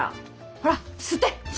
ほら吸って！